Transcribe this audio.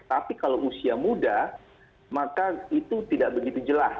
tapi kalau usia muda maka itu tidak begitu jelas